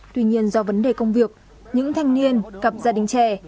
tuy nhiên do vấn đề công việc những thanh niên cặp gia đình trẻ